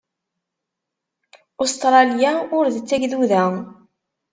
Ustṛalya ur d tagduda.